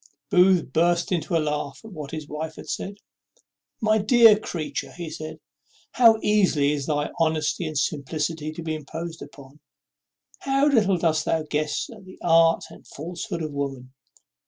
Booth burst into a laugh at what his wife said. "My dear creature," said he, "how easily is thy honesty and simplicity to be imposed on! how little dost thou guess at the art and falsehood of women!